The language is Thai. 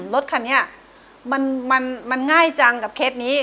รถคันนี้มันง่ายจังกับเคสนี้